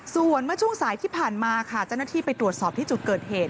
ส่วนเมื่อช่วงสายที่ผ่านมาค่ะเจ้าหน้าที่ไปตรวจสอบที่จุดเกิดเหตุ